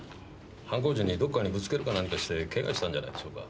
犯行時にどっかにぶつけるか何かしてケガしたんじゃないでしょうか？